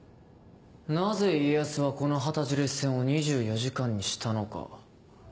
なぜ家康はこの旗印戦を２４時間にしたのか。